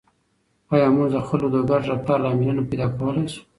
آیا موږ د خلکو د ګډ رفتار لاملونه پیدا کولای شو؟